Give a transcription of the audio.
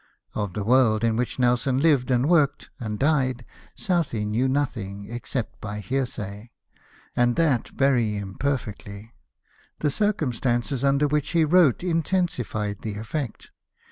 Of the world in which Nelson lived and worked and died, Southey knew nothing except by hearsay, and that X LIFE OF NELSON. very imperfectly. The circumstances under which he wrote intensified the effect.